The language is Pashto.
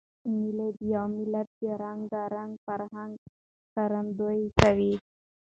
مېلې د یو ملت د رنګارنګ فرهنګ ښکارندویي کوي.